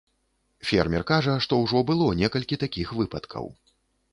Фермер кажа, што ўжо было некалькі такіх выпадкаў.